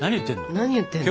何言ってんの？